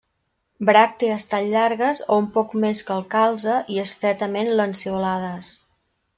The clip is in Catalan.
Bràctees tan llargues o un poc més que el calze, i estretament lanceolades.